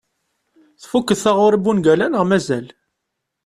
Tfukkeḍ taɣuri n ungal-a neɣ mazal?